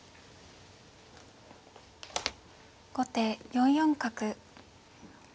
後手４四角。